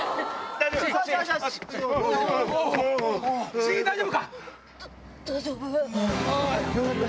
だ大丈夫。